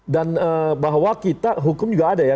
dan bahwa kita hukum juga ada ya